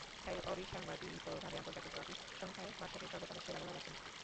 তাই অবিসংবাদিতভাবে আন্তর্জাতিক ট্রফি সংখ্যায় বার্সাকে সর্বকালের সেরা বলা যাচ্ছে না।